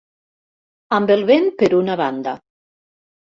Amb el vent per una banda.